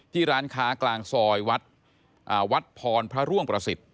ร้านค้ากลางซอยวัดวัดพรพระร่วงประสิทธิ์